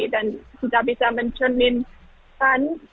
dan sudah bisa mencerminkan